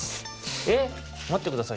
えっ⁉まってください。